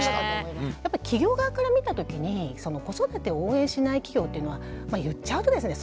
やっぱり企業側から見た時に子育てを応援しない企業っていうのは言っちゃうとですね